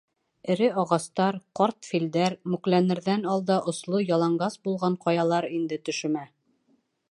— Эре ағастар, ҡарт филдәр, мүкләнерҙән алда осло, яланғас булған ҡаялар инде төшөмә.